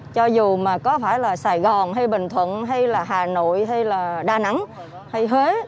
cho dù mà có phải là sài gòn hay bình thuận hay là hà nội hay là đà nẵng hay huế